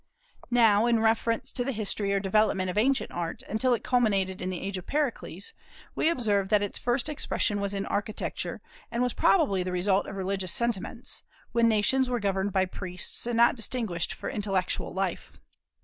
Now, in reference to the history or development of ancient Art, until it culminated in the age of Pericles, we observe that its first expression was in architecture, and was probably the result of religious sentiments, when nations were governed by priests, and not distinguished for intellectual life.